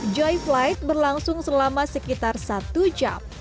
joy flight berlangsung selama sekitar satu jam